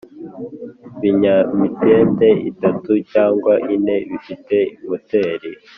binyamitende itatu cyangwa ine bifite moteri